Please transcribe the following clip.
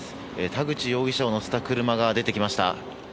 田口容疑者を乗せた車が出てきました。